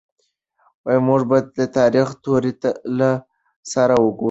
موږ به د تاريخ توري له سره ګورو.